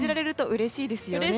うれしいですね。